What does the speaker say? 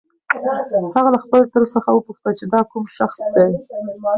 هغه له خپل تره څخه وپوښتل چې دا کوم شخص دی؟